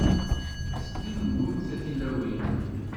Slilwemt a tilawin.